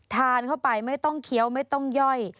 ทานเข้าไปไม่ต้องเคี้ยวไม่ต้องย่อย